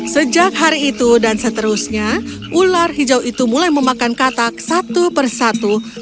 sejak hari itu dan seterusnya ular hijau itu mulai memakan katak satu persatu